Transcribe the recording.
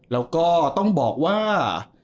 แล้วก็ต้องบอกว่า